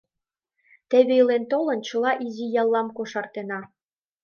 — Теве илен-толын чыла изи яллам кошартена.